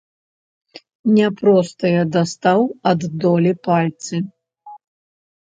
Не простыя дастаў ад долі пальцы.